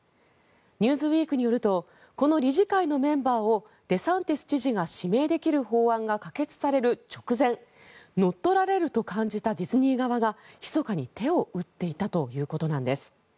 「ニューズウィーク」によるとこの理事会のメンバーをデサンティス知事が指名できる法案が可決される直前乗っ取られると感じたディズニー側がひそかに手を打っていたということなんです。